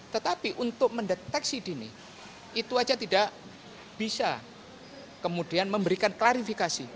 tetapi untuk mendeteksi dini itu saja tidak bisa kemudian memberikan klarifikasi